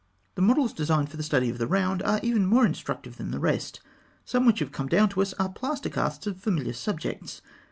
The models designed for the study of the round are even more instructive than the rest. Some which have come down to us are plaster casts of familiar subjects.